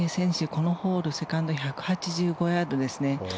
このホール、セカンド１８５ヤードですね。